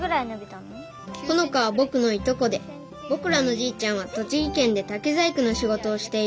ホノカはぼくのいとこでぼくらのじいちゃんは栃木県で竹細工のしごとをしている。